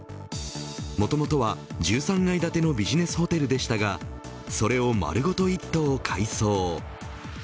もともとは１３階建てのビジネスホテルでしたがそれを丸ごと１棟改装。